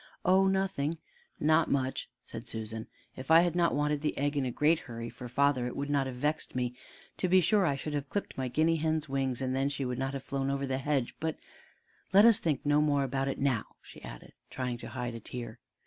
"Oh, nothing, not much," said Susan; "if I had not wanted the egg in a great hurry for father, it would not have vexed me to be sure I should have clipped my guinea hen's wings, and then she could not have flown over the hedge; but let us think no more about it now," she added, trying to hide a tear.